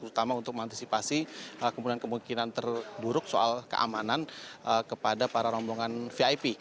terutama untuk mengantisipasi kemungkinan kemungkinan terburuk soal keamanan kepada para rombongan vip